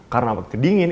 karena waktu dingin